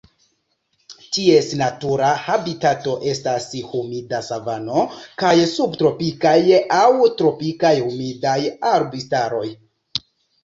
Ties natura habitato estas humida savano kaj subtropikaj aŭ tropikaj humidaj arbustaroj.